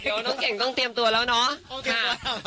เดี๋ยวน้องเก่งต้องเตรียมตัวแล้วเนาะ